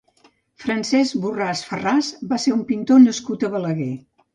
Francesc Borràs Farràs va ser un pintor nascut a Balaguer.